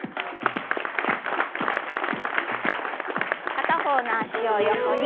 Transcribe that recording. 片方の脚を横に。